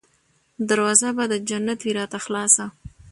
دروازه به د جنت وي راته خلاصه